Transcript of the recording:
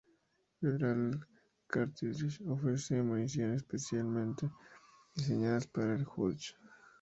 Federal Cartridge ofrece municiones específicamente diseñadas para el Judge.